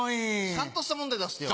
ちゃんとした問題出してよ。